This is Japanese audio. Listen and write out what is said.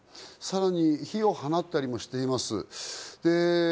さらに火を放ったりもしています。